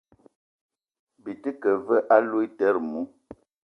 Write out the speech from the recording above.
Byi te ke ve aloutere mou ?